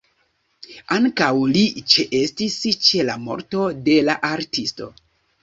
Ankaŭ li ĉeestis ĉe la morto de la artisto.